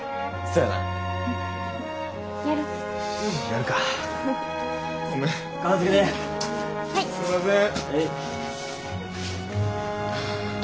すんません。